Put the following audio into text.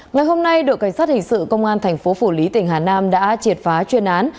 ngày hôm nay đội cảnh sát hình sự công an thành phố phủ lý tỉnh hà nam đã triệt phá chuyên án